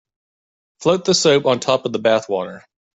Float the soap on top of the bath water.